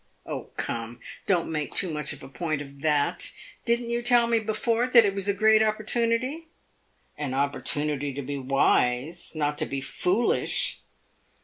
"Oh come, don't make too much of a point of that! Did n't you tell me before that it was a great opportunity?" "An opportunity to be wise not to be foolish!"